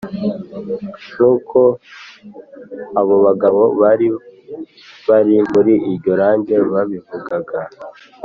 nk’uko abo bagabo bari bari muri iryo rage babivugaga